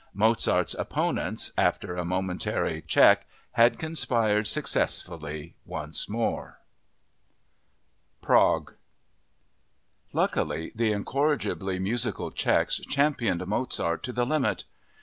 Mozart's opponents, after a momentary check, had conspired successfully once more. Prague Luckily, the incorrigibly musical Czechs championed Mozart to the limit!